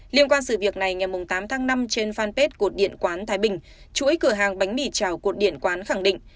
liên quan sự việc này ngày tám tháng năm trên fanpage của điện quán thái bình chuỗi cửa hàng bánh mì trào cột điện quán khẳng định